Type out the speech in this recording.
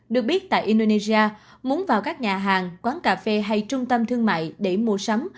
được biết tại indonesia muốn vào các nhà hàng quán cà phê hay trung tâm thương mại để mua sắm